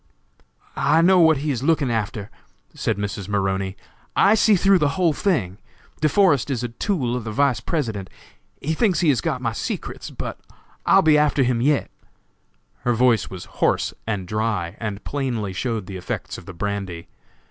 "I know what he is looking after," said Mrs. Maroney; "I see through the whole thing! De Forest is a tool of the Vice President; he thinks he has got my secrets, but I'll be after him yet." Her voice was hoarse and dry, and plainly showed the effects of the brandy.